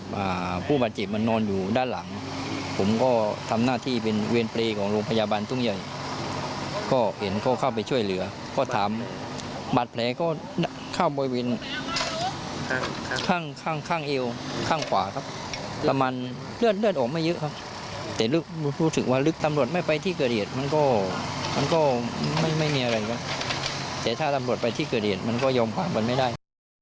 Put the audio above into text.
ไม่มีอะไรก็แต่ถ้าตำรวจไปที่เกิดเหตุมันก็ยอมความกันไม่ได้